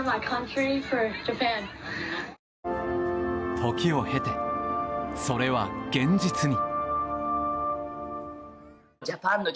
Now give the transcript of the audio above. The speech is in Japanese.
時を経て、それは現実に。